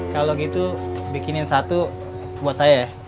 kalau gitu bikinin satu buat saya ya